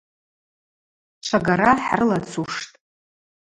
Чвагара хӏрылацуштӏ.